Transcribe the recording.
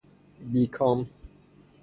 بی کام